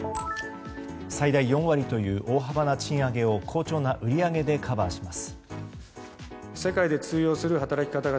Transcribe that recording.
最大４割という大幅な賃上げを好調な売り上げでカバーします。